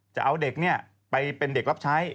จะเอาเด็กไปเป็นเด็กรับใช้